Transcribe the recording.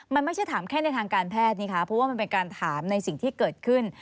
มันไม่ใช่ถามแค่ในทางการแพทย์นี่คะเพราะว่ามันเป็นการถามในสิ่งที่เกิดขึ้น